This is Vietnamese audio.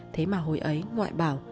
thế mà hồi ấy ngoại bảo